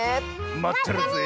まってるぜぇ。